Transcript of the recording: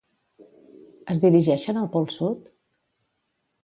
Es dirigeixen al Pol Sud?